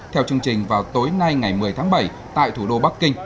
theo chương trình vào tối nay ngày một mươi tháng bảy tại thủ đô bắc kinh